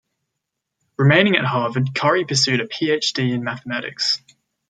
Remaining at Harvard, Curry pursued a Ph.D. in mathematics.